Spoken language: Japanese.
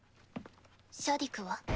シャディクは？